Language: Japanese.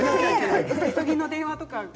急ぎの電話とか。